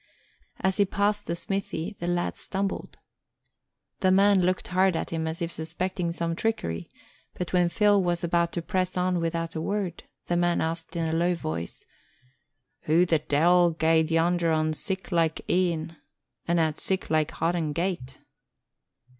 As he passed the smithy the lad stumbled. The man looked hard at him as if suspecting some trickery; but when Phil was about to press on without a word the man asked in a low voice, who the de'il gaed yonder on sic like e'en and at sic like hoddin' gait.